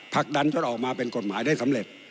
ผลักดันจนออกมาเป็นกฎหมายได้สำเร็จ